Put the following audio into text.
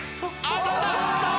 当たった！